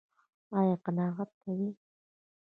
ایا قناعت کوئ؟